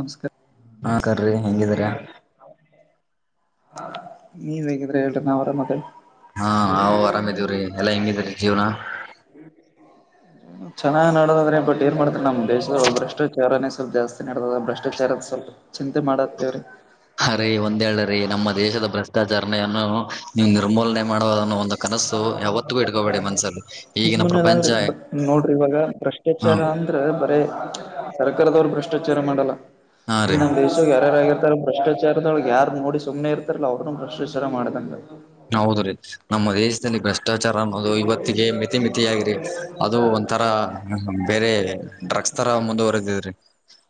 ನಮಸ್ಕಾರ ಹಾ ಕರ್ರಿ ಹೆಂಗಿದೀರ ನೀ ವಗಿದ್ರೆ ಹೇಳಳ್ ನ ಅವರ ಮಕ್ಕ [inaudible] ಹಾ ಹವು್ ಆರಾಮ ಇದೀವ್ರಿ ಎಲ್ಲಾ ಹೆಂಗಿದ್ರೀ ಜೀವನ [inaudible] ಚೆನ್ನಾಗ ನಡದಾದ್ರೆ ಬಟ್ ಏನ್ ಮಾಡ್ತ ನಮ್ಮ್ ದೇಶದ ಭ್ರಷ್ಟಾಚಾನೇ ಸ್ವಲ್ಪ ಜಾಸ್ತಿ ನಡೆದ ಭ್ರಷ್ಟಾಚಾರದ ಸ್ವಲ್ಪ [inaudible] ಚಿಂತೆ ಮಾಡತ್ತೇವ್ರಿ ಹ ರೀ ಒಂದ್ೇಳ್ರೀ ನಮ್ಮ ದೇಶದ ಭ್ರಷ್ಟಾಚಾರನ ನು [inaudible] ನೀವು್ ನಿರ್ಮೂಲನೆ ಮಾಡುವ ಅನ್ನೋ ಒಂದು ಕನಸ್ಸು ಯಾವತ್ತಗ ಇಡ್ಕೋಬೇಡಿ ಮನ್ಸಲ್ಲಿ ಈಗಿನ ಪ್ರಪಂಚ ನಿಮ್ಮನಲ್ರಿ [inaudible] ನೋಡ್ರಿ ಇವಾಗ ಹಾ ಭ್ರಷ್ಟಾಚಾರ ಅಂದ್ರ ಬರೇ [inaudible] ಸರ್ಕಾರದವ್ರು ಭ್ರಷ್ಟಾಚಾರ ಮಾಡಲ್ಲ ಹಾ ಈ ರೀ ನಮ್ ದೇಶ ಯಾರಾರಾಗಿಿರ್ತಾರೋ ಭ್ರಷ್ಟಾಚಾರ [inaudible] ವಿಚಾರದೊಳಗ್ ಯಾರ ನೋಡಿ ಸುಮ್ಮನೆ ಇರ್ಾರಲ್ಲ ಅವ್ರರುನು ಭ್ರಷ್ಟ್ಾಚಾರ ಮಾಡಂಗ [inaudible] ಹೌದ ರೀ ನಮ್ಮ ದೇಶದಲ್ಲಿ ಬೆಷ್ಟ ಭ್ರಷ್ಟಾಚಾರ ಅನ್ನೋದು ಇವತ್ತಿಗೆ ಮಿತಿ ಮಿತಿಯಾಗಿರಿ ಅದು ಒಂಥರ ಬೇರೆ ಡಕ್ ತರ ಮುಂದುವರೆದಿದ್ರಿ [unintelligible]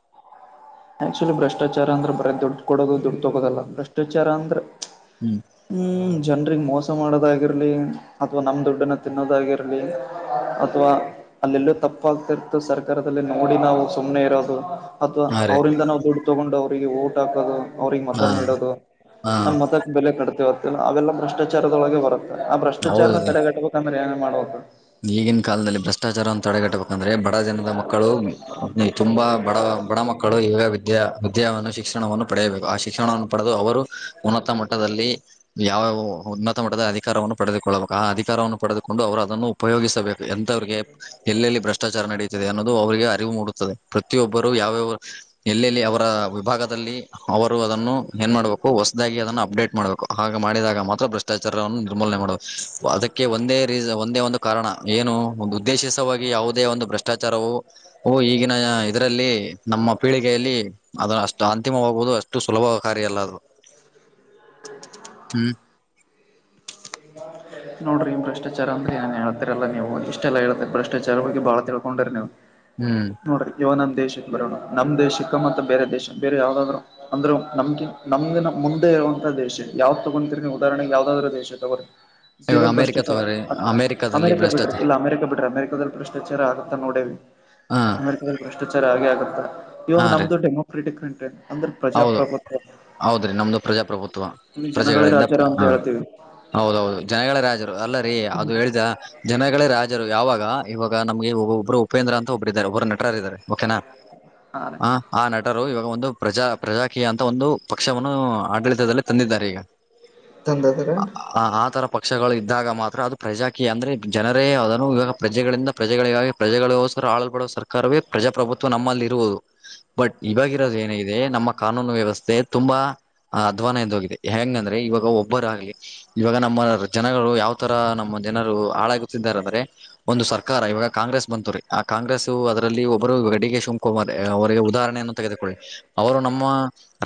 ಆಕ್ಚುಲಿ ಭ್ರಷ್ಟಾಚಾರ ಅಂದ್ರೆ ಬರ ದುಡ್ಡು ಕೊಡೋದು ದುಡ್ಡು ತಗೋದಲ್ಲ ಭ್ರಷ್ಟಾಚಾರ ಅಂದ್ರೆ ಹ್ಮ್ ಹ್ಮ್ ಜನ್ಗ್ ಮೋಸ ಮಾಡೋದಾಗಿರ್ಲಿ ಅಥ್ವಾ ನಮ್ ದುಡ್ಡನ ತಿನ್ನೋದಾಗಿರ್ಲಿ [unintelligible] ಅಥವಾ ಅಲ್ಲೆಲ್ಲೂ ತಪ್ಪಾಗ್ತಿರ್ತ್ತು ಸರ್ಕಾರದಲ್ಲಿ ನೋಡಿ ನಾವು ಸುಮ್ನೆ ಇರೋದು ಅಥವಾ [inaudible] ಹಾ ರೀ ಅವರಿಂದ ನಾವು ದುಡ್ಡು ತಗೊಂಡು ಅವ್ರರಿಗೆ ಓಟ್ ಹಾಕೋದು ಅವ್ರಿಗೆ ಹಾ ಮತ ನೀಡೋದು ಹಾ ನಮ್ ಮತಕ್ಕೆ ಬೆಲೆ ಕಟ್ತೇವತ್ತಲ್ಲ ಅವೆಲ್ಲ ಭ್ರಷ್ಟಾಚಾರದೊಳಗೆ ಬರತ್ತೆ [inaudible] ಆ ಭ್ರಷ್ಟಾಚಾರನ ಹೌದ್ರೀ ತಡೆಗಟ್ಬೇಕಂದ್ರೆ ಏನ ಮಾಡಬೇಕು ಈಗಿನ ಕಾಲದಲ್ಲಿ ಭ್ರಷ್ಟಾಚಾರ ಒಂತ ತಡೆಗಟ್ಟಬೇಕಂದ್ರೆ ಬಡ ಜನದ ಮಕ್ಕಳು ತುಂಬಾ ಬಡ ಬಡ ಮಕ್ಕಳು ಈಗ [inaudible] ಅಧ್ಯವನ್ನು ಶಿಕ್ಷಣವನ್ನು ಪಡೆಯಬೇಕು ಆ ಶಿಕ್ಷಣವನ್ನು ಪಡೆದು ಅವರು ಉನ್ನತ ಮಟ್ಟದಲ್ಲಿ ಯಾವ ಉನ್ನತ ಮಟ್ಟದ ಅಧಿಕಾರವನ್ನು ಪಡೆದುಕೊಳ್ಳಬೇಕು ಆ ಅಧಿಕಾರವನ್ನು ಪಡೆದುಕೊಂಡು ಅವರು ಅದನ್ನು ಉಪಯೋಗಿಸಬೇಕು ಎಂತವ್ರರಿಗೆ ಎಲ್ಲೆಲ್ಲಿ ಭ್ರಷ್ಟಾಚಾರ ನಡೆಯುತ್ತಿದೆ ಅನ್ನೋದು ಅವರಿಗೆ ಅರಿವು ಮೂಡುತ್ತದೆ ಪ್ರತಿಯೊಬ್ಬರು ಯಾವ್ಯಾವ ಎಲ್ಲೆಲ್ಲಿ ಅವರ ವಿಭಾಗದಲ್ಲಿ ಅವರು ಅದನ್ನು ಏನ್ ಮಾಡಬೇಕ ಹು ಹೊಸದಾಗಿ ಅದನ್ನು ಅಪ್ಡೇಟ್ ಮಾಡ್ಬೇಕು ಹಾಗ ಮಾಡಿದಾಗ ಮಾತ್ರ ಭ್ರಷ್ಟಾಚಾರವನ್ನು ನಿರ್ಮೂಲನೆ ಮಾಡಬೇಕು ಅದಕ್ಕೆ ಒಂದೇ ರೀಜ್ ಒಂದೇ ಒಂದು ಕಾರಣ ಏನು ಒಂದು ಉದ್ದೇಶಿಸುವಾಗಿ ಯಾವುದೇ ಒಂದು ಭ್ರಷ್ಟಾಚಾರವು ಉ ಈಗಿನ ಇದರಲ್ಲಿ ಎ ನಮ್ಮ ಪೀಳಿಗೆಯಲ್ಲಿ ಅದ ಅಷ್ಟು ಅಂತಿಮವಾಗುವಹುದು ಅಷ್ಟು ಸುಲಭ ಕಾರ್ಯ ಅಲ್ಲ ಅದು ಹ್ಮ್ ತಂತಡನ್ ನೋಡ್ರಿ ಭ್ರಷ್ಟಾಚಾರ ಅಂದ್ರ ಏನ್ ಹೇಳ್ತಾರಲ್ಲ ನೀವು ಇಷ್ಟೆಲ್ಲೇಳ್ತರಿ ಭ್ರಷ್ಟಾಚಾರದ ಬಗ್ಗೆ ಬಾಳ ತಿಳ್ಕೊಂಡಿರಿ ನೀವು ಹ್ಮ್ ನೋಡ್ರಿ ಯವ ನಮ್ಮ ದೇಶ ಬರೋಣ ನಮ್ಮ ದೇಶಸಕ್ಕ ಮತ್ತ ಬೇರೆ ದೇಶ ಬೇರೆ ಯಾವದಾದ್ರು ಅಂದ್ರರು ನಮಗೆ ನಮಗಿನ ಮುಂದೆ ಇರುವಂತ ದೇಶ ಯಾವ್ದ ತಗೋಂತಿರ ಉದಾಹರಣೆ ಯಾವುದಾದರೂ ದೇಶ ತಗೋರಿ ಇವಾಗ ಸಿರೋ ಅಮೆರಿಕ ಭ್ರಷ್ಟಾಚಾರ ತವ್ರೀ ಅದ್ ಅಮೆರಿಕದಲ್ಲಿ ಅಮೆರಿಕ ಬಿಡ್ರಿ ಭ್ರಷ್ಟಾಚಾರ ಇಲ್ಲ ಅಮೆರಿಕ ಬಿಟ್ರಿ ಅಮೆರಿಕಾದದಲ್ಲಿ ಭ್ರಷ್ಟಾಚಾರ ಆಗುತ್ತಾ ನೋಡೇವಿ ಹ ಅಮೆರಿಕದಲ್ಲಿ ಭ್ರಷ್ಟಾಚಾರ ಹಾಗೆ ಆಗುತ್ತಾ ಹಾ ಇವಾಗ ರೀ ನಮ್ದು ಡೆಮೂಕ್ರೆಟಿಕ್ ಕಂಟ್ರೆ ಅಂದ್ರ ಪ್ರಜಾಪ್ರಭುತ್ವ ಹೌದ್ರೀ ನಮ್ಮದು ಪ್ರಜಾಪ್ರಭುತ್ವ ಇಲ್ಲಿ ಜನಗಳ ಪ್ರಜೆಗಳಿಂದ ರಾಜರ ಅಂತ ಹೇಳ್ತೀವಿ ಹೌದು ದೌದು ಜನಗಳೇ ರಾಜರು ಅಲ್ಲ ರೀ ಅದು ಹೇಳಿದ ಜನಗಳೇ ರಾಜರು ಯಾವಾಗಾ ಇವಾಗ ನಮಗೆ ಒಬ್ ಒಬ್ರು ಉಪೇಂದ್ರ ಅಂತ ಒಬ್ಬರು ಇದ್ದಾರೆ ಒಬ್ಬರು ನಟರು ಆಗಿದ್ದಾರೆ ಓಕೆನಾ ಹಾ ಆ ಆ ನಟರು ಇವಾಗ ಒಂದು ಪ್ರಜಾ ಪ್ರಜಾಕೀಯ ಅಂತ ಒಂದು ಪಕ್ಷವನ್ನು ಆಡಳಿತದಲ್ಲಿ ತಂದಿದ್ದಾರೆ ಈಗ ಚಂದದರ ಆಆ ತರ ಪಕ್ಷ ಇದ್ದಾಗ ಮಾತ್ರ ಅದು ಪ್ರಜಾಕಿಯಾ ಅಂದ್ರೆ ಜನರೇ ಅದನ್ನು ಇವಾಗ ಪ್ರಜೆಗಳಿಂದ ಪ್ರಜೆಗಳಿಗಾಗಿ ಪ್ರಜೆಗಳಿಗೋಸ್ಕ ಆಳಲ್ಬಡುವ ಸರ್ಕಾರವೇ ಪ್ರಜಾಪ್ರಭುತ್ವ ನಮ್ಮಲ್ಲಿ ಇರುವುದು ಬಟ್ ಇವಾಗಿರೋದು ಏನಾಗಿದೆ ನಮ್ಮ ಕಾನೂನು ವ್ಯವಸ್ಥೆ ತುಂಬಾ ಅಧ್ವಾನ ಇದ್ದೋಗಿದೆ ಹೆಂಗಂದ್ರೆ ಇವಾಗ ಒಬ್ಬರ ಆಗ್ಲಿ ಇವಾಗ ನಮ್ಮ ಜನಗಳು ಯಾವತರ ನಮ್ಮ ಜನರು ಹಾಳಾಗುತ್ತಿದ್ದಾರೆ ಅಂದ್ರೆ ಒಂದು ಸರ್ಕಾರ ಇವಾಗ ಕಾಂಗ್ರೆಸ್ ಬಂತು ರೀ ಆ ಕಾಂಗ್ರೆಸ್ ಅದರಲ್ಲಿ ಒಬ್ಬರು ಡಿಕೆ ಶಿವಕುಮಾರ್ ಅವರಿಗೆ ಉದಾಹರಣೆಯನ್ನು ತೆಗೆದುಕೊಳ್ಳಿ ಅವರ ನಮ್ಮ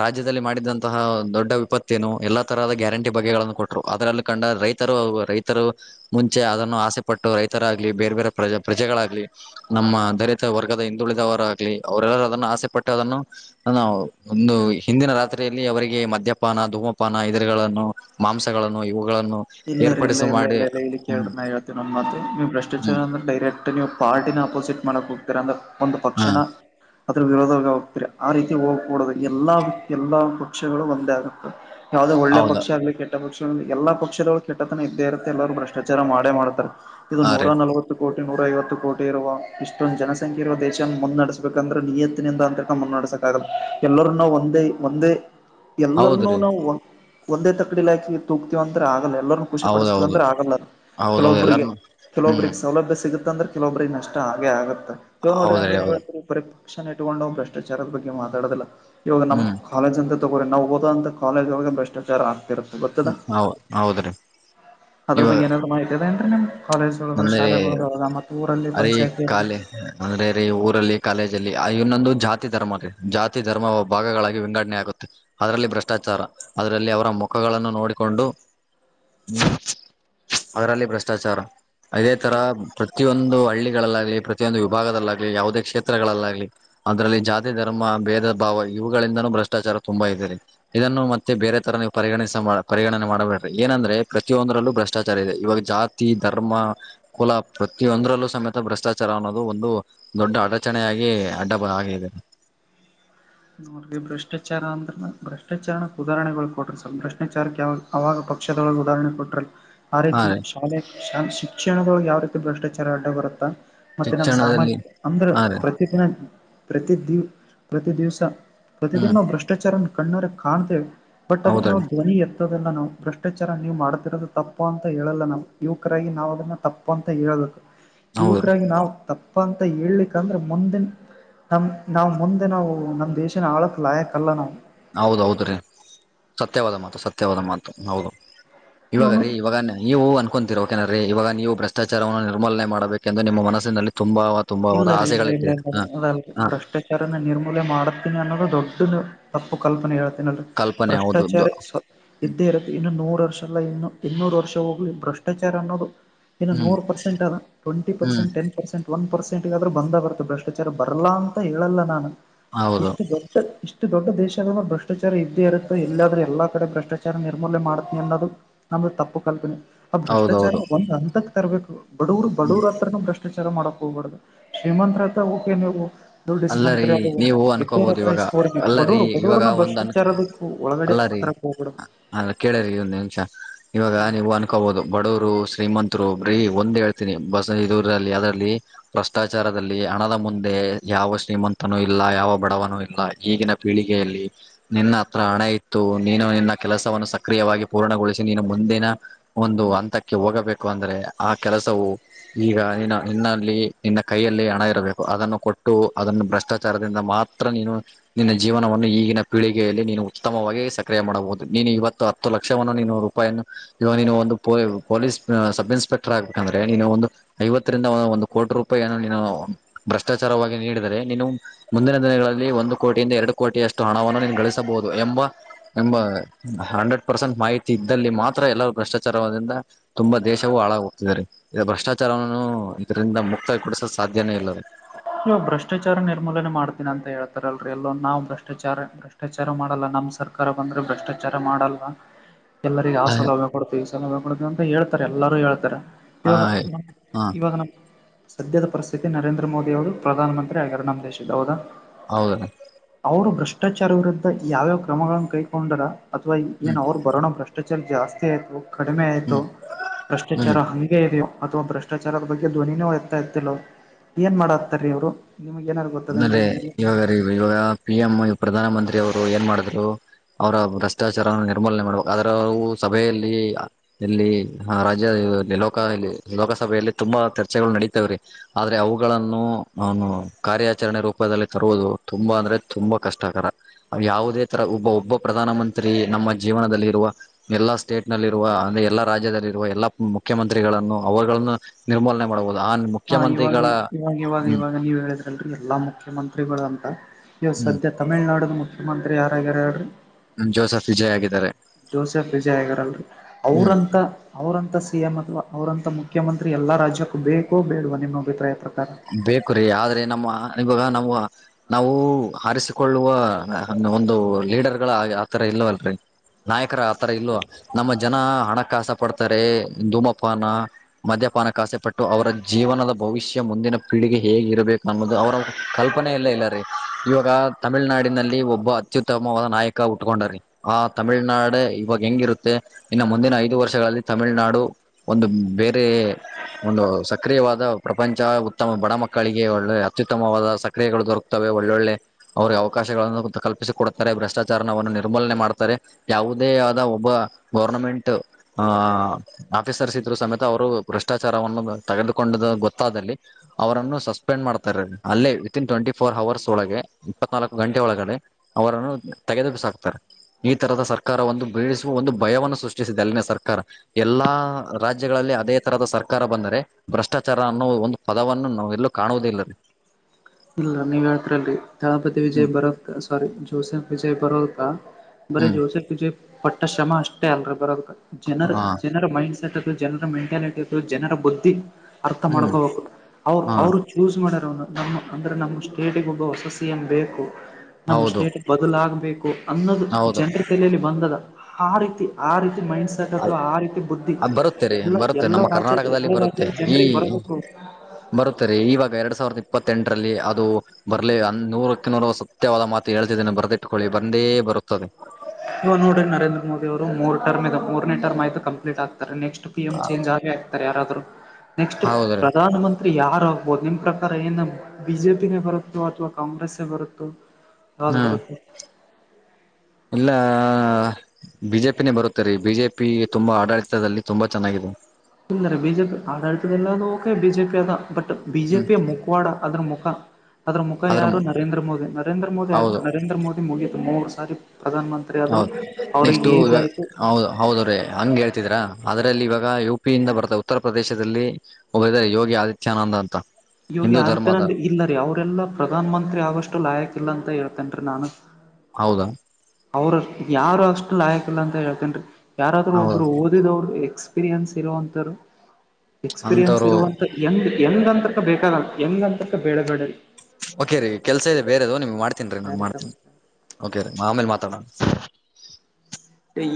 ರಾಜ್ಯದಲ್ಲಿ ಮಾಡಿದಂತಹ ದೊಡ್ಡ ವಿಪತ್ತೇನು ಎಲ್ಲಾ ತರದ ಗ್ಯಾರಂಟಿ ಬಗೆಗಳನ್ನು ಕೊ ಟ್ರು ಅದರಲ್ಲಿ ಕಂಡ ರೈತರು ರೈತರು ಮುಂಚೆ ಅದನ್ನು ಆಸೆ ಪಟ್ಟು ರೈತರಾಗ್ಲಿ ಬೇರೆ ಬೇರೆ ಪ್ರಜೆ ಪ್ರ ಪ್ರಜೆಗಳಾಗ್ಲಿ ನಮ್ಮ ದರಿತ ವರ್ಗದ ಹಿಂದುಳಿದವರಾಗಲಿ ಅವರೆಲ್ಲರೂ ಅದನ್ನು ಆಸೆ ಪಟ್ಟು ಅದನ್ನು ನ ಒಂದು ಹಿಂದಿನ ರಾತ್ರಿಯಲ್ಲಿ ಅವರಿಗೆ ಮದ್ಯಪಾನ ಧೂಮಪಾನ ಇದರುಗಳನ್ನು ಮಾಂಸಗಳನ್ನು ಇವು ಇಲ್ಲರಿ ಇಲ್ಲ ಇಲ್ಲ ಇಲ್ಲ ಇಲ್ಲ ಹ್ಮ್ ಕೇಳಡ್ರಿ ಹೇಳ್ತೀನಿ ಒಂದ್ ಮಾತು ನೀವು ಭ್ರಷ್ಟಾಚಾರ ಹ್ಮ್ ಅಂದ್ರೆ ಡೈರೆಕ್ಟ್ ನೀವು ಪಾ ಪಾರ್ಟಿನ ಅಪೋಸಿಟ್ ಮಾಡಕ್ ಹೋಗತೀರಾ ಅಂದ್ರೆ ಒಂದು ಹಾ ಪಕ್ಷನ ಅದ್ರ ವಿರೋಧ ಹೋಗ್ತರಿ ಆ ರೀತಿ ಹೋಗಕೊಡದು ಎಲ್ಲಾ ಎಲ್ಲಾ ಪಕ್ಷಗಳು ಒಂದೇ ಆಗುತ್ತೆ ಯಾವುದೇ ಒಳ್ಳೆ ಹೌದ ಪಕ್ಷ ಆಗಲಿ ಕೆಟ್ಟ ಪಕ್ಷ ಆಗಲಿ ಎಲ್ಲಾ ಪಕ್ಷ ಪಕ್ಷದೊಳ ಕೆಟ್ಟತನ ಇದ್ದೇ ಇರುತ್ತೆ ಎಲ್ಲರು ಭ್ರಷ್ಟಾಚಾರ ಮಾಡುತ್ತಾರೆ ಇದು ಹಾ ರೀ ನೂರ ನಲವತ್ತು ಕೋಟಿ ನೂರ ಐವತ್ತು ಕೋಟಿ ಇರುವ ಇಷ್ಟೊಂದು ಜನಸಂಖ್ಯೆ ಇರುವ ದೇಶ ಮುನ್ನಡೆಸ್ಬೇಕಂದ್ರ ನಿಯತ್ತಿನಿಂದ ಅಂಕ ಮುನ್ನಡೆಸಾಕ್ ಎಲ್ಲರನ್ನು ಒಂದೇ ಒಂದ ಎಲ್ಲರನು ಹೌದ್ರಿ ನಾವು ಒಂದೇ ತಕ್ಕಡಿ ಲಾಕಿ ತೋಗತ್ತೇವಿ ಅಂದ್ರ ಆಗಲ್ಲ ಎಲ್ಲರೂ ಖುಷಿ ಪಡಸ್ತೇವಿ ಹೌದೌದು ಅಂದ್ರ ಆಗಲ್ಲ ಹೌದೌದು ಕೆಲೊಬ್ರಿಗೆ ಎಲ್ಲಾರ್ನು ಹ್ಮ್ ಕೆಲೊಬ್ರಿಗೆ ಸೌಲಭ್ಯ ಸಿಗುತ್ತ ಅಂದ್ರೆ ಕೆಲೊಬ್ರಿಗೆ ನಷ್ಟ ಆಗೆ ಆಗುತ್ತ ಇವಾಗ ನೋಡ್ರಿ ಹಂಗೆ ಹೌದ್ರಿ ನೀ ಹೌದು ಹೇರಿ ಕ್ಷಣ ಇಟ್ಕೊಂಡು ಭ್ರಷ್ಟಾಚಾರದ ಬಗ್ಗೆ ಮಾತಾಡೋದಿಲ್ಲ ಇವಾಗ ನಮ್ಮ ಹ್ಮ್ ಕಾಲೇಜ್ ಅಂತ ತಗೋರ ನಾವು ಹೋದಂತ ಕಾಲೇಜ್ ಒಳಗೆ ಭ್ರಷ್ಟಾಚಾರ ಆಗ್ತಿರತ್ತೆ ಹು ಹೌದ ಹೌದ್ರೀ ಅದ್ರ ಬಗ್ಗೆ ಏನಾದ್ರು ಮಾಹಿತಿ ಇದೇಏನ್ರೀ ನಿಮ್ಮಗ ಕಾಲೇಜ್ ಅಂದ್ರೆ ಶಾಲೆಗಳ ಮತ್ತ ಊರಲ್ಲಿ ಅರಿ ಪಂಚಾಯತಿ ಕಾಲೆ ಅಂದ್ರೆ ರೀ ಊರಲ್ಲಿ ಕಾಲೇಜ್ ಇಲ್ಲಿ ಇನ್ನೊಂದು ಜಾತಿ ಧರ್ಮೀ ಜಾತಿ ಧರ್ಮ ಭಾಗಗಳಾಗಿ ವಿಂಗಡಣೆ ಆಗುತ್ತೆ ಅದರಲ್ಲಿ ಭ್ರಷ್ಟಾಚಾರ ಅದ್ರಲ್ಲಿ ಅವರ ಮುಖಗಳನ್ನು ನೋಡಿಕೊಂಡು ಜ್ಜಿ ಪ್ಚ್ ಅದರಲ್ಲಿ ಭ್ರಷ್ಟಾಚಾರ ಅದೇ ತರ ಪ್ರತಿಯೊಂದು ಹಳ್ಳಿಗಳಲ್ಲಾಗಲಿ ಪ್ರತಿಯೊಂದು ವಿಭಾಗದಲ್ಲಾಗಲ್ಲಿ ಯಾವುದೇ ಕ್ಷೇತ್ರ ತ್ತಗಳಲ್ಲ ಅದ್ರಲ್ಲಿ ಜಾತಿ ಧರ್ಮ ಭೇದ ಭಾವ ಇವುಗಳಿಂದಾನೂ ಭ್ರಷ್ಟಾಚಾರ ತುಂಬಾ ಇದದೆ ಅನ್ನು ಮತ್ತೆ ಬೇರೆ ತರಾನ ಪರಿಗಣಿಸಾಂಬಾಳ ಪರಿಗಣನೆ ಮಾಡ್ಬೇಡ್ರಿ ಏನಂದ್ರೆ ಪ್ರತಿಯೊಂದರಲ್ಲೂ ಭ್ರಷ್ಟಾಚಾರ ಇದೆ ಇವಾಗ ಜಾತಿ ಧರ್ಮ ಕುಲ ಪ್ರತಿಯೊಂದರಲ್ಲೂ ಸಮೇತ ಭ್ರಷ್ಟಾಚಾರ ಅನ್ನೋದು ಒಂದು ದೊಡ್ಡ ಅಡಚಣೆಯಾಗಿ ಅಡ್ಡ ಬ ಆಗದ [unintelligible] ನೋಡ್ರಿ ಭ್ರಷ್ಟಾಚಾರ ಅಂದ್ರ ಭ್ರಷ್ಟಾಚಾರಕ್ಕೆ ಉದಾಹರಣೆಗಳು ಕೊಡ್ರಿ ಸ್ವಲ್ಪ ಭ್ರಷ್ಟಾಚಾರಕ್ಕೆ ಯ ಅವಾಗ ಪಕ್ಷತಗಳು ಉದಾಹರಣೆ ಕೊಟ್ರಲ್ ಆ ಹಾ ರೀತಿ ರೀ ಶಾಲೆ ಶಿಕ್ಷಣದೊಳಗೆ ಯಾವ ರೀತಿ ಭ್ರಷ್ಟಾಚಾರ ಅಡ್ಡ ಬರುತ್ತಾ. ಮತ್ತೆ ನಮ ಶಿಕ್ಷಣದಲ್ಲಿ ಸಾಮಾಜಿಕ ಅಂದ್ರ ಹಾ ರೀ ಪ್ರತಿದಿನ ಪ್ರತಿ ದಿ ಪ್ರತಿ ದಿವ್ಸ. ಪ್ರತಿದಿನ ಹ್ಮ್ ನಾವು ಭ್ರಷ್ಟಾಚಾರ ಕಣ್ಣರ ಕಾಣ್ತೇವೆ ಬಟ್ ಅದಕ್ ನಾವು ಹೌದ್ರೀ ಧ್ವನಿ ಎತ್ತದಲ್ಲ ನಾವು. ಭ್ರಷ್ಟಾಚಾರ ನೀವು ಮಾಡತಿರೋದು ತಪ್ಪು ಅಂತ ಹೇಳಲ್ಲ ನಾವು ಯುವಕರಾಗಿ ನಾವ್ ಅದನ್ನ ತಪ್ಪು ಅಂತ ಹೇಳಬೇಕು. ಹೌದು ಯುವಕರಾಗಿ ನಾವು ತಪ್ ಅಂತ ಹೇಳಲಿಕ್ಕೆಂದ್ರೆ ಮುಂದೆ ನಮ್ ನಾವು ಮುಂದೆ ನಾವು ನಮ್ ದೇಶನ ಆಳಕ್ಕ ಲಾಯ ಕಲ್ಲ ನಾವು. ಹೌದೌದುರೀ ಸತ್ಯವಾದ ಮಾತು ಸತ್ಯವಾದ ಮಾತು ಹೌದು. ಇವಾಗ ಹೌನು ರೀ ಇವಾಗ ನೀವು ಅನ್ಕೊಂತೀರಾ ಓಕೇನೀ ಇವಾಗ ನೀವು ಭ್ರಷ್ಟಾಚಾರವನ್ನು ನಿರ್ಮೂನೆ ಮಾಡ್ಬೇಕು. ಎಂದು ನಿಮ್ಮ ಮನಸಿನಲ್ಲಿತ್ ಇಲ್ಲ ರೀ ಇಲ್ಲ ಇಲ್ಲ ಇಲ್ಲ ಅದಲ್ ಹ ಭ್ರಷ್ಟಾಚಾರನ ನಿರ್ಮೂಲೆ ಮಾಡತೀನಿ ಅನ್ನೋದು ದೊಡ್ಡದ್ ತಪ್ಪು ಕಲ್ಪನೆ ಹೇಳ್ತೇನಲ್ ಕಲ್ಪನೆ ಭ್ರಷ್ಟಾಚಾರ ಹೌದುದ್ದು ಇದ್ದೇ ಇರತ್ತೆ ಇನ್ನು ನೋಡಿ [unintelligible] ವರ್ಷ ಅಲ್ಲ ಇನ್ನು ಇನ್ನೂರು ವರ್ಷ ಹೋಗ್ಲಿ ಭ್ರಷ್ಟಾಚಾರ ಅನ್ನೋದು. ಇನ್ನು ಹ್ಮ್ ನೂರ್ ಪರ್ಸೆಂಟ್ ಅದ ಟ್ವೆಂಟಿ ಹ್ಮ್ ಪರ್ಸೆಂಟ್ ಟೆನ್ ಪರ್ಸೆಂಟ್ ಒನ್ [unintelligible] ಬಂದ ಬರ್ಥದ ಭ್ರಷ್ಟಾಚಾರ ಬರಲ್ಲಾ ಅಂತ ಹೇಳಲ್ಲ ನಾನು ಹೌದು ಇಷ್ಟು ದೊಡ್ಡ ಇಷ್ಟು. ದೊಡ್ಡ ದೇಶದಲ್ಲ ಭ್ರಷ್ಟಾಚಾರ ಇದ್ದೇ ಇರುತ್ತೆ ಇಲ್ಲಾದ್ರೂ ಎಲ್ಲಾ ಕಡೆ ಭ್ರಷ್ಟಾಚಾರ ನಿರ್ಮೂಲ ಮಾಡ್ತನಿ ಅನ್ನೋದು ನಮ್ ತಪ್ಪು ಕಲ್ಕನೆ ಆ ಭ್ರಷ್ಟಾಚಾರ ಹೌದೌದು ಒಂದ್ ಹಂತಕ್ ತರಬೇಕು ಬಡವರು ಬಡವ್ರ ಹತ್ರನು ಭ್ರಷ್ಟಾಚಾರ ಮಾಡಕ್ ಹೋಗ್ಬಾರ್ದು. ಶ್ರೀಮಂತ್ರತ ಓಕೆ ನೀವು. ದಡ್ ಅಲ್ಲರಿ ಇಸ್ಕೊಂತಿರೋದು [unintelligible] ಅ ನೀವು ಇದ್ದರ ಅನ್ಕೋಬಹುದು ಇವಾಗ ಹತ್ರಕೋ ಅಲ್ಲರಿ ಬಡೂರು ಇವಾಗ ಬಡೂರ್ನ ಒಂದ್ ಅನ್ ಭ್ರಷ್ಟಾಚಾರದಕ್ಕೂ ಒಳಗಡೆ ಅಲ್ಲ ರೀ ತರಕ್ ಹೋಗ್ಬಾರ್ದು ಅಲ್ಲ ಕೇಳರಿ ಒಂದು ನಿಮಿಷ ಇವಾಗ ನೀವು ಅನ್ಕೋಬಹುದು ಬಡವರು. ಶ್ರೀಮಂತರು ಒಂದ ಹೇಳ್ತನಿ ಬ ದೂರದಲ್ಲಿ ಅದರಲ್ಲಿ ಭ್ರಷ್ಟಾಚಾರದಲ್ಲಿ ಹಣದ ಮುಂದೆ ಯಾವ ಶ್ರೀಮಂತನು ಇಲ್ಲ ಯಾವ ಬಡವನು ಇಲ್ಲ ಈಗಿನ ಪೀಳಿಗೆಯಲ್ಲಿ ನಿನ್ನ ಹತ್ರ ಹಣ ಇತ್ತು. ನೀನು ನಿನ್ನ ಕೆಲಸವನ್ನು ಸಕ್ರಿಯವಾಗಿ ಪೂರ್ಣಗೊಳಿಸಿ ನೀನು ಮುಂದಿನ ಒಂದು ಹಂತಕ್ಕೆ ಹೋಗಬೇಕು ಅಂತ್ ಆದ್ರೆ ಆ ಕೆಲಸವು ಈಗ ನಿನ್ನ ನಿನ್ನಲ್ಲಿ ನಿನ್ನ ಕೈಯಲ್ಲಿ ಹಣ ಇರಬೇಕು ಅದನ್ನು ಕೊಟ್ ಅದನ್ನು ಭ್ರಷ್ಟಾಚಾರದಿಂದ ಮಾತ್ರ ನೀನು ನಿನ್ನ ಜೀವನವನ್ನು ಈಗಿನ ಪೀಳಿಗೆಯಲ್ಲಿ ನೀನು ಉತ್ತಮವಾಗಿ ಸಕ್ರಿಯ ಮಾಡುವುದು ನೀನು ಇವತ್ತು ಹತ್ತು ಲಕ್ಷವನ್ನು ನೀನು ರೂಪಾಯನ್ನು ಇವಗ ನೀನು ಒಂದು ಪೊಲೀಸ್ ಸಬ್ ಇನ್ಸ್ಪೆಕ್ಟರ್ ಆಗ ಅಂದ್ರೆ ನೀನು ಒಂದು ಐವತ್ತರಿಂದ ಒಂದು ಕೋಟಿ ರೂಪಾಯಿ ಏನೋ ನೀನು ಭ್ರಷ್ಟಾಚಾರ [unintelligible] ನೀಡಿದರೆ ನೀನು ಮುಂದಿನ ದಿನಗಳಲ್ಲಿ ಒಂದು ಕೋಟಿಯಿಂದ ಎರಡು ಕೋಟಿಷ್ಟು ಹಣವನ್ನು ನೀ ಗಳಿಸಬಹುದು ಎಂಬ. ಎಂಬ ಹಂಡ್ರೆಡ್ ಪರ್ಸೆಂಟ್ ಮಾಹಿತಿ ಇದ್ದಲ್ಲಿ ಮಾತ್ರ ಎಲ್ಲ ಭ್ರಷ್ಟಾಚಾರಿಂದ ತುಂಬಾ ದೇಶವು ಹಾಳಾಗ ಹೋಗ್ತಿದ್ದಾರೆ ಭ್ರಷ್ಟಾಚಾರವನ್ನು ಇದರಿಂದ ಮುಕ್ತವಾಗಿ ಕೊಡಿಸಲು ಸಾಧ್ಯನೇ ಇಲ್ಲದೆ. ಇಯೋ ಭ್ರಷ್ಟಾಚ ನಿರ್ಮೂಲನೆ ಮಾಡ್ತೀನ ಅಂತ ಹೇಳ್ತಾರಲ್ರಿ ಎಲ್ಲೋ ನಾವು ಭ್ರಷ್ಟಾಚಾರ ಭ್ರಷ್ಟಾಾರ ಮಾಡಲ್ಲ ನಮ್ ಸರ್ಕಾರ ಬಂದ್ರೆ ಭ್ರಷ್ಟಾಚಾರ ಮಾಡಲ್ವಾ ಎಲ್ಲರಿಗೆ ಆ ಹ ಸೌಲಭ್ಯ ಕೊಡ್ತವಿ ಈ ಸೌಲಭ್ಯ ಕೊಡ್ತವಿ ಅಂತ ಹೇಳ್ತಾರೆ ಎಲ್ಲರೂ ಹೇಳ್ತಾರೆ. ಹ ಇವಾಗ ಹಾ ಇವಾಗ ನಮ್ಮ ಸದ್ಯದ ಪರಿಸ್ಥಿತಿ ನರೇಂದ್ರ ಮೋದಿ ಅವರು ಪ್ರಧಾನ ಮಂತ್ರಿ ಆಗ್ಯಾರ ನಮ್ ದೇಶದ ಹೌದಾ. ಹೌದು ನ ಅವರು ಭ್ರಷ್ಟಾಚಾರ ವಿರುದ್ಧ ಯಾವ್ಯಾವ ಕ್ರಮಗಳನ್ನು ಕೈಕೊಂಡರ ಅಥವಾ ಏನ್ ಹ್ಮ್ ಅವ್ರು ಬರಣ ಭ್ರಷ್ಟಾಚ ಜಾಸ್ತಿ ಆಯ್ತು ಕಡಿಮೆ ಆಯ್ತು ಹ್ಮ್ ಹ್ಮ್ ಭ್ರಷ್ಟಾಚಾರ ಹಂಗೆ ಇದೆಹೊ ಅಥವಾ ಭ್ರಷ್ಟಾಚಾರದ ಬಗ್ಗೆ ಧ್ವನಿ ನೆ ಹೊಟ್ಟ ಎತ್ತಿ ಲ್ಲೊ ಏನ್ ಮಾಡತಾರ ರೀ ಅವ್ರು. ನಿಮ್ಗ್ ಏನಾರು ಗೊತ್ತದೇನ್ರಿ ಇಲ್ಲಲೇ ಅದ್ರ ಬಗ್ಗೆ ಇವಾಗ ಇವಾಗ ಪಿ ಎಂ ಪ್ರಧಾನ ಮಂತ್ರಿ ಅವರು ಏನ್ ಮಾಡಿದ್ರು. ಅವರ ಭ್ರಷ್ಟಾಚಾರವನ್ನು ನಿರ್ಮೂಲನೆ ಮಾಡ್ಬೇಕು ಅದರೂ ಸಭೆಯಲ್ಲಿ ಎಲ್ಲಿ ರಾಜ್ಯ. [unintelligible] ಲೋಕಸಭೆಯಲ್ಲಿ ತುಂಬಾ ಚರ್ಚೆಗಳು ನಡೀತವ್ರಿ ಆದ್ರೆ ಅವುಗಳನ್ನು ಅವನು. ಕಾರ್ಯಾಚರಣೆ ರೂಪದಲ್ಲಿ ತರುವುದು ತುಂಬಾ ಅಂದ್ರೆ ತುಂಬಾ ಕಷ್ಟಕರ. ಯಾವುದೇ ತರ ಒಬ್ಬ ಒಬ್ಬ ಪ್ರಧಾನ ಮಂತ್ರಿ ನಮ್ಮ ಜೀವನದಲ್ಲಿ ಇರುವ ಎಲ್ಲಾ ಸ್ಟೇಟ್ ನಲ್ಲಿರುವ ಅಂದ್ರೆ ಎಲ್ಲಾ ರಾಜ್ಯದಲ್ಲಿರುವ ಎಲ್ಲಾ ಮುಖ್ಯಮಂತ್ರಿಗಳನ್ನು ಅವರು ನಿರ್ಮೂಲನೆ ಮಾಡಬಹುದು ಆ ಹಾ ಇವಾಗ ಮುಖ್ಯಮಂತ್ರಿಗಳ ಇವಾಗ ಇವಾಗ ಹ್ಮ್ ಇವಾಗ ನೀವ್ ಹೇಳಿದ್ರೆ ಅಲ್ರಿ ಎಲ್ಲ ಮುಖ್ಯಮಂತ್ರಿಗಳು ಅಂತ ಇವ್ ಹ್ಮ್ ಸದ್ಯ ತಮಿಳ್ನಾಡ ಮುಖ್ಯಮಂತ್ರಿ ಯಾರಗ್ಯಾರ ಹೇಳರಿ ಜೋಸಫ್ ವಿಜಯ್ ಆಗಿದ್ದಾರೆ ಜೋಸೆಫ್ ವಿಜಯ್ಗಾರಲ್ರಿ ಅವ್ರಂತ ಅವರಂತ ಸಿಎಂ ಅಥವಾ ಅವ್ರಂತ ಮುಖ್ಯಮಂತ್ರಿ ಎಲ್ಲಾ ರಾಜ್ಯಕ್ಕೂ ಬೇಕೋ ಬೇಡುವ ನಿಮ್ಮ ಅಭಿಪ್ರಾಯ ಪ್ರಕ ಬೇಕು ರೀ ಆದ್ರೆ ನಮ್ಮ ಇವಾಗ ನಾವು ನಾವು ಆರಿ ಕೊಳ್ಳುವ ಒಂದು ಲೀಡರ್ಗಳ ಆತರ ಇಲ್ಲವಲ್ರಿ ನಾಯಕರ ಆತರ ಇಲ್ವ ನಮ್ಮ ಜನ ಹಣಕ್ಕ ಆಸ ಪಡ್ತಾರೆ ಧೂಮಪಾನ ಮದ್ಯಪಾನ ಕಸೆಪಟ್ಟು ಅವರ ಜೀವನದ ಭವಿಷ್ಯ ಮುಂದಿನ ಪೀಳಿಗೆ ಹೇಗಿರಬೇಕು ನಮ್ಮದು ಅವರ ಕಲ್ಪನೆೆಯಲ್ಲ ಇಲ್ಲ ರೀ ಇವಾಗ ತಮಿಳ್ನಾಡಿನಲ್ಲಿ ಒಬ್ಬ ಅತ್ಯುತ್ತಮವಾದ ನಾಯಕ ಉಟ್ಕೊಂಡ್ರ ಆ ತಮಿಳ್ನಾಡ ಇವಾಗ ಹೆಂಗಿರುತ್ತೆ ಇನ್ನು ಮುಂದಿನ ಐದು ವರ್ಷಗಳಲ್ಲಿ ತಮಿಳ್ನಾಡು ಒಂದು ಬೇರೆ ಒಂದು ಸಕ್ರಿಯವಾದ ಪ್ರಪಂಚ ಉತ್ತಮ ಬಡ ಮಕ್ಕಳಿಗೆ ಒಳ್ಳೆ ಅತ್ಯುತ್ತಮವಾದ ಸಕ್ರಿಯಗಳು ದೊರಕ್ತವೆ ಒಳ್ಳೊಳ್ಳೆ ಅವರಿಗೆ ಅವಕಾಶಗಳು ಕಲ್ಪಿಸಿಕೊಡುತ್ತಾರೆ ಭ್ರಷ್ಟಾಚಾರವನ್ನು ನಿರ್ಮೂಲನೆ ಮಾಡುತ್ತಾರೆ ಯಾವುದೇ ಆದ ಒಬ್ಬ ಗೌರ್ನಮೆಂಟ್ ಆ ಆಫೀಸರ್ಸ್ ಇದ್ರು ಸಮೇತ ಅವರು ಭ್ರಷ್ಟಾಚಾರವನ್ನು ತೆಗೆದುಕೊಂಡ ಗೊತ್ತ ಅವರನ್ನು ಸಸ್ಪೆಂಡ್ ಮಾಡ್ತ ಅಲ್ಲೇ within twenty four hours ಒಳಗೆ ಇಪ್ಪತ್ನಾಲ್ಕು ಗಂಟೆ ಒಳಗಡೆ ಅವರನ್ನು ತೆಗೆದುಕ ಬಸಾಕ್ತಾರೆ ಈ ತರದ ಸರ್ಕಾರ ಒಂದು ಬಿಳಿಸುವ ಒಂದು ಭಯವನ್ನು ಸೃಷ್ಟಿಸಿದೆ ಅಲ್ಲಿನ ಸರ್ಕಾರ ಎಲ್ಲಾ ರಾಜ್ಯಗಳಲ್ಲಿ ಅದೇ ತರದ ಸರ್ಕಾರ ಬಂದರೆ ಭ್ರಷ್ಟಾಚಾರ ಅನ್ನೋ ಒಂದು ಪದವನ್ನು ನಾವ್ ಎಲ್ಲೂ ಕಾಣುವುದಿಲ್ಲ ರೀ ಇಲ್ಲ ನೀವ ಹೇಳ್ತ್ರಲ್ಲಿ ದಳಪತಿ ವಿಜಯ್ ಹ್ಮ್ ಬರೋ ಸಾರಿ ಜೋಸೆಫ್ ವಿಜಯ್ ಬರೋಕ ಬರೇ ಹ್ಮ್ ಜೋಸೆಫ್ ಪಜೆ ಪಟ್ಟ ಶ್ರಮ ಅಷ್ಟೇ ಅಲ್ರ ಬರೋದ ಜನರ ಹಾ ಜನರ ಮೈಂಡ್ಸೆಟ್ ಜನರ ಮೆಂಟಾಲಿಟಿ ಅತ್ತು ಜನರ ಬುದ್ಧಿ ಅರ್ಥ ಹ್ಮ್ ಮಾಡ್ಕೋಬೇಕು ಅವರು ಹಾ ಅವರು ಚೂಸ್ ಮಾಡ್ಯಾರ ಅವ ನ ಅಂದ್ರೆ ನಮ್ ಸ್ಟೇಟಿಗೆ ಒಬ್ಬ ಹೊಸ ಸಿ ಎಂ ಬೇಕು ನಮ್ ಹೌದು ಸ್ಟೇಟ್ ಬದಲಾಗಬೇಕು ಅನ್ನೋದು ಹೌದು ಜನರ ತಲಲಿ ಬಂದದ ಆ ರೀತಿ ಆ ರೀತಿ ಮೈಂಡ್ಸೆಟ್ ಅಥವಾ ಆ ರೀತಿ ಬುದ್ಧಿ ಅ ಬರುತ್ತೆ ರೀ ಎಲ್ಲ ಬರುತ್ತೆ ಎಲ್ಲಾ ನಮ್ಮ ರಾಜ್ಯ ಕರ್ನಾಟಕದಲ್ಲಿ ಎಲ್ಲ ರಾಜ್ಯದ ಜನರಿಗೆ ಬರಬೇಕು ಬರುತ್ತರಿ ಇವಾಗ ಎರಡ್ ಸಾವಿರದ ಇಪ್ಪತ್ತೆಂಟರಲ್ಲಿ ಅದು ಬರ್ಲಿ ನೂರಕ್ಕೆ ನೂರ ಸತ್ಯವಾದ ಮಾತ ಹೇಳ್ತಿದ್ದನ ಬರ್ದಿಟ್ಕೊಳ್ಳಿ ಬಂದೇ ಬರುತ್ತದೆ ವರು ಮೂರು ಟರ್ಮ್ ಇ ಮೂರನೇಟರ್್ ಆಯ್ು ಕಂಪ್ಲೀಟ್ ಆಗ್ತಾರೆ ನೆಕ್ಸ್ಟ್ ಪಿ ಎಂ ಚೇಂಜ್ ಆಗಿ ಆಗ್ತಾರೆ ಯಾರಾದ್ರರು ನೆಕ್ಸ್ಟ್ ಹೌದ್ರೀ ಪ್ರಧಾನ ಮಂತ್ರಿ ಯಾರ ಹಬೋದು ನಿಮ ಪ್ರಕಾರ ಏನು ಬಿಜೆಪಿಗೆ ಬರುತ್ತೋ ಅಥವಾ ಕಾಂಗ್ರೆಸ್ ಬರುತ್ತೋ ಯದು ಹ್ಮ ಬರ್ ಆ ಬಿಜೆಪಿನೇ ಬರುತ್ತೇ ರೀ ಬಿಜೆಪಿ ತುಂಬಾ ಆಡಳಿತದಲ್ಲಿ ತುಂಬಾ ಚೆನ್ನಾಗಿದೆ ಇಲ್ಲ ಬಿಜೆಪಿ ಆಡ ಆಳತದ ಎಲ್ಲ ಓಕೆ ಬಿಜೆಪಿ ಅದ ಬಟ್ ಬಟ್ ಬಿ ಜೆ ಹ್ಮ್ ಪಿಯ ಮುಖವಾಡ ಅದ್ರ ಮುಖ ಅದ್ರ ಮುಖ ಆದ್ರ ಯಾರು ನರೇಂದ್ರ ಮೋದಿ ನರೇಂದ್ರ ಮೋದಿ ಆಯ್ತು ಹೌದು ನರೇಂದ್ರ ಮೋದಿ ಮುಗತು ಮೂರು ಸಾರಿ ಪ್ರಧಾನ ಮಂತ್ರಿ ಆದ್ರು ಹೌದು ನೆಕ್ಸ್ಟ್ು ಅವ್ರಿಗೆ ಏಜ್ ಇವಾಗ ಆಯ್ತು ಹೌದು ಹೌದು ರೀ ಹಂಗಗೆ ಹೇಳ್ತಿದ್ರಾ ಆದ್ರ ಲ್ಲಿ ಇವಾಗ ಯು ಪಿ ಇಂದ ಬರ್ತ ಉತ್ತರ ಪ್ರದೇಶದಲ್ಲಿ ಒಬ್ಬರುಾರೆ ಯೋಗಿ ಆದಿತ್ಯಾನಂದ್ ಅಂತ ಯೋಗಿ ಹಿಂದೂ ಧರ್ಮದ ಆದಿತ್ಯನಾಂದ್ ಇಲ್ಲ ರೀ ಅವರೆಲ್ಲ ಪ್ರಧನ್ ಮಂತ್ರಿ ಆಗಷ್ಟು ಲಾಯಕಿಲ್ಲ ಅಂತ ಹೇಳ ನ್ ನಾನು ಹೌದಾ ಅವ್ರ ಯಾರು ಅಷ್ಟು ಲಾಯಕ ಇಲ್ಲ ಅಂತ ಹೇಳ್ತನ್್ರಿ ಯಾರಾದ್ರೂ ಹೌದಾ ಒಬ್ರು ಓದಿದವ್ರು ಎಕ್ಸ್ ಎಕ್ಸ್ಪೀರಿಯನ್ಸ್ ಇರುವಂತ ಎಕ್ಸ್ಪೀರಿಯನ್ಸ್ ಅಂತವ್ರು ಇರುವಂತ ಹೆಂಗ ಹೆಂಗಂತ ಬೇಕಾಗಲ್ಲ ಹೆಂಗ್ ಅಂತಕ್ಕ ಬೇಡ ಬೇಡರಿ ಓಕೆ ರರಿ ಕೆಲ್ಸ ಇದೆ ಬೇರೆ ಅದು ನಿಮ್ಗೆ ಮಾಡ್ತೇನ್ ರೀ ನಾನ್ ಯಾರ ಮಾಡ್ತೀನಿ ತಗೋ ಕೆ ರ ಆಮೇಲೆ ಮಾತಾಡೋಣ [inaudible] ಈ.